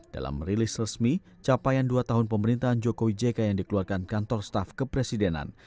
dalam rilis resmi capaian dua tahun pemerintahan jokowi jk yang dikeluarkan kantor staf kepresidenan